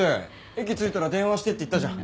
駅着いたら電話してって言ったじゃん。